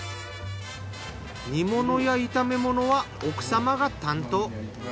煮物や炒め物は奥様が担当。